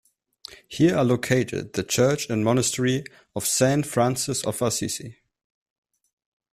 Here are located the church and monastery of Saint Francis of Assisi.